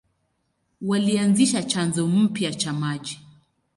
Walianzisha chanzo mpya cha maji.